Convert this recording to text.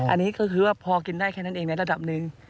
อันนี้ก็คือว่าพอกินได้แค่นั้นเองในระดับหนึ่ง